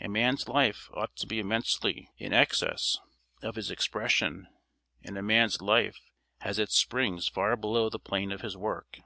A man's life ought to be immensely in excess of his expression, and a man's life has its springs far below the plane of his work.